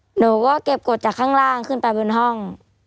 หนูก็เก็บกฎจากข้างล่างขึ้นไปบนห้อง